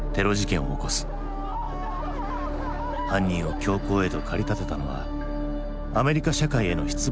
犯人を凶行へと駆り立てたのはアメリカ社会への失望だったのか？